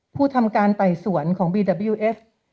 ผู้ทำการไต่สวนของบีดาบิยูเอฟ